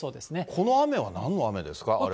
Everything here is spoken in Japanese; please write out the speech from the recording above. この雨はなんですか？